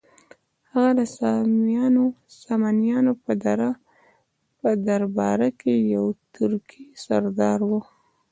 هغه د سامانیانو په درباره کې یو ترکي سردار و.